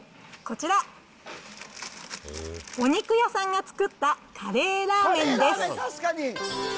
こちら、お肉屋さんが作ったカレーラーメンです。